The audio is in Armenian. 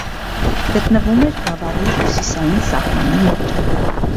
Գտնվում էր գավառի հյուսիսային սահմանի մոտ։